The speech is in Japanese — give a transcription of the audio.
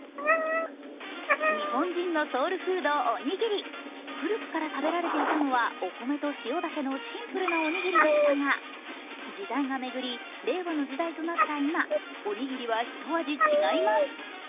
日本人のソウルフード、おにぎり古くから食べられていたのはお米と塩だけのシンプルなおにぎりでしたが時代が巡り、令和の時代となった今おにぎりはひと味違います。